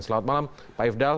selamat malam pak ifdal